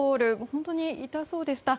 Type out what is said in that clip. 本当に痛そうでした。